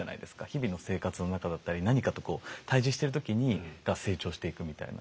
日々の生活の中だったり何かとこう対峙してる時にが成長していくみたいな。